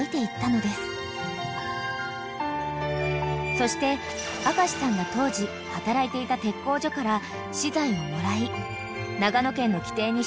［そして明さんが当時働いていた鉄工所から資材をもらい長野県の規定に従って］